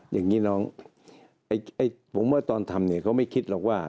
อย่างนี้น้องผมว่าตอนทำเนี่ยเขาไม่คิดหรอกว่า